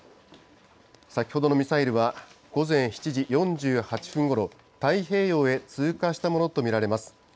先ほどのミサイルは、午前７時４８分ごろ、太平洋へ通過したものと見られます。